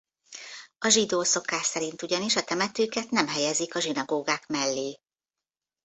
A zsidó szokás szerint ugyanis a temetőket nem helyezik a zsinagógák mellé.